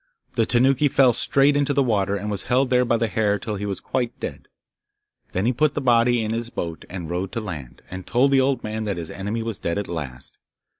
The Tanuki fell straight into the water, and was held there by the hare till he was quite dead. Then he put the body in his boat and rowed to land, and told the old man that his enemy was dead at last.